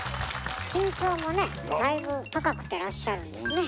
身長もねだいぶ高くてらっしゃるんですね。